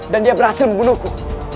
dan dia berhasil membunuhku